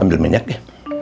ambil minyak ya